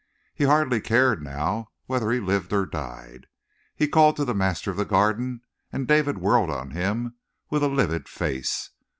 He hardly cared now whether he lived or died. He called to the master of the Garden, and David whirled on him with a livid face.